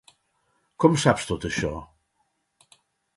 Com saps tot això?